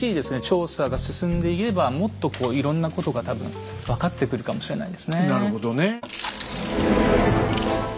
調査が進んでいけばもっとこういろんなことが多分分かってくるかもしれないですね。